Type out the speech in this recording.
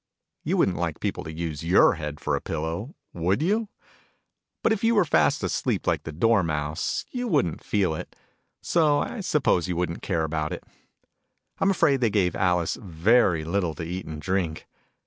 You wouldn't like people to use your head for a pillow, would you ? But if you were fast asleep, like the Dormouse, you wouldn't feel it : so I suppose you wouldn't care about it. I'm afraid they gave Alice very little to eat and drink.